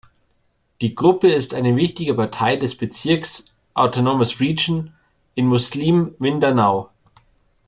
Die Gruppe ist eine wichtige Partei des Bezirks Autonomous Region in Muslim Mindanao.